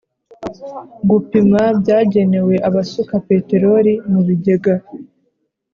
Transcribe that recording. gupima byagenewe abasuka peteroli mu bigega